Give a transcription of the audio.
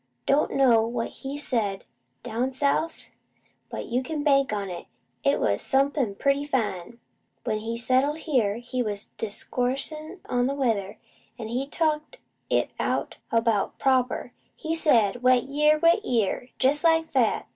Don't know what he said down South, but you can bank on it, it was sumpin' pretty fine. When he settled here, he was discoursin' on the weather, an' he talked it out about proper. He'd say, `Wet year! Wet year!' jest like that!